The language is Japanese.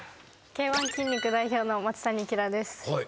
Ｋ−１筋肉代表の松谷綺です。